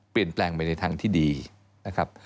เปลี่ยนแปลงไปในทางที่ดีนะครับ